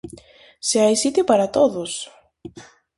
Se hai sitio para todos!